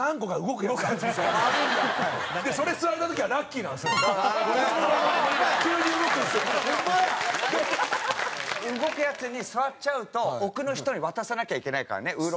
動くやつに座っちゃうと奥の人に渡さなきゃいけないからねウーロン茶とか。